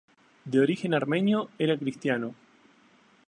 De origen armenio, era cristiano.